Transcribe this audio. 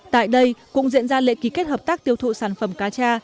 tại đây cũng diễn ra lệ ký kết hợp tác tiêu thụ sản phẩm cá trà